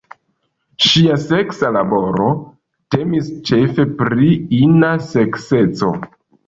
Ŝia seksa laboro temis ĉefe pri ina sekseco.